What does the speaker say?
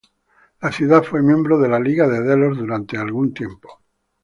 La ciudad fue miembro de la Liga de Delos durante algún tiempo.